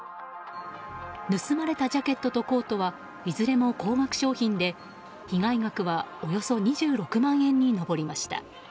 盗まれたジャケットとコートはいずれも高額商品で被害額はおよそ２６万円に上りました。